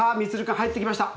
君入ってきました。